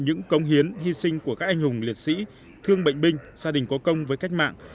những công hiến hy sinh của các anh hùng liệt sĩ thương bệnh binh gia đình có công với cách mạng